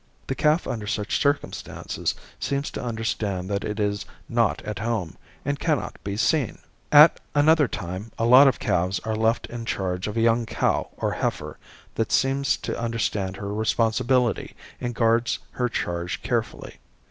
The calf under such circumstances seems to understand that it is "not at home," and cannot be seen. At another time a lot of calves are left in charge of a young cow or heifer that seems to understand her responsibility and guards her charge carefully.